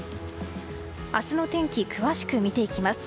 明日の天気、詳しく見ていきます。